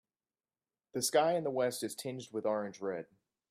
The sky in the west is tinged with orange red.